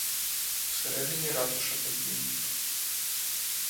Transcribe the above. У середині ратуша подвір'я.